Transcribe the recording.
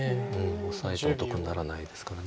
オサえても得にならないですから。